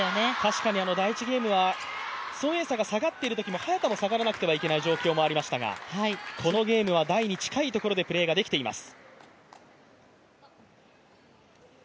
確かに第１ゲームは孫エイ莎が下がっているときも、早田が下がらなければいけない状況がありましたがこのゲームは台に近いところでプレーができています。